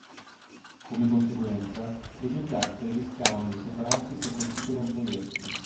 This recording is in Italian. Come conseguenza, le due piastre rischiavano di separarsi se colpite da un proiettile.